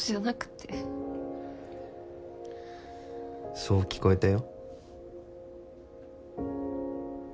そう聞こえたよ。